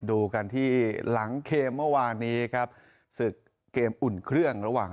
ดูกันที่หลังเกมเมื่อวานนี้ครับศึกเกมอุ่นเครื่องระหว่าง